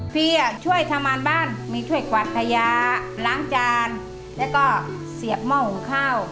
ช่วยทำงานบ้านมีช่วยกวาดพญาล้างจานแล้วก็เสียบหม้อหุงข้าว